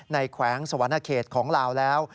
แขวงสวรรณเขตของลาวแล้ว